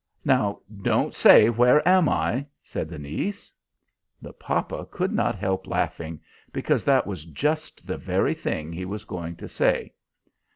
"Now don't say, 'Where am I?'" said the niece. The papa could not help laughing, because that was just the very thing he was going to say.